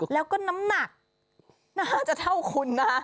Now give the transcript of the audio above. แล้วก็น้ำหนักน่าจะเท่าคุณนะ